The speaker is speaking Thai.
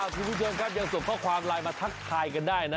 คุณผู้ชมครับยังส่งข้อความไลน์มาทักทายกันได้นะ